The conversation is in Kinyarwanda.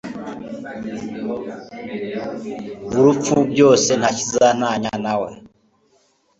urupfu, byose nta kizantanya nawe